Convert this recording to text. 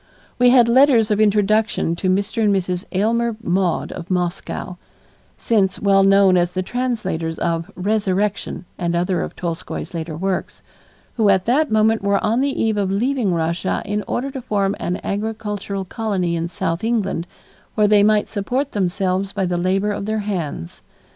We had letters of introduction to Mr. and Mrs. Aylmer Maude of Moscow, since well known as the translators of "Resurrection" and other of Tolstoy's later works, who at that moment were on the eve of leaving Russia in order to form an agricultural colony in South England where they might support themselves by the labor of their hands.